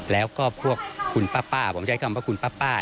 แล้วก็พวกคุณป๊าป๊าผมจะใช้คำว่าคุณป๊าป๊า